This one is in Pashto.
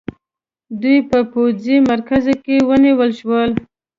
دوی په پوځي مرکز کې ونیول شول.